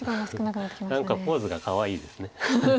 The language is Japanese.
何かポーズがかわいいですね。